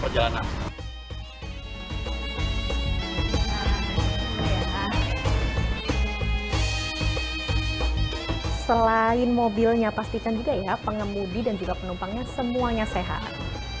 perjalanan selain mobilnya pastikan juga ya pengemudi dan juga penumpangnya semuanya sehat